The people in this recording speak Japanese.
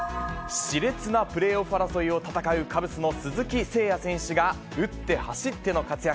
しれつなプレーオフ争いを戦うカブスの鈴木誠也選手が、打って走っての活躍。